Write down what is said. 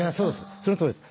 そのとおりです。